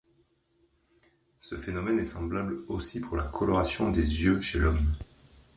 Ce phénomène est semblable aussi pour la coloration des yeux chez l'homme.